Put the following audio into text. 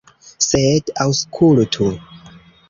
Sed aŭskultu!